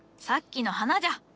さっきの花じゃ。